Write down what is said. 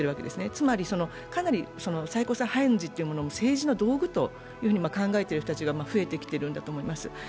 つまり、かなり最高裁判事を政治の道具と考えている人たちが増えてきてるんだと思います。